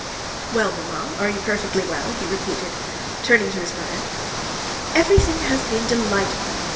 "Well, maman, are you perfectly well?" he repeated, turning to his mother. "Everything has been delightful.